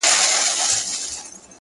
د خزان یا مني په موسم کي -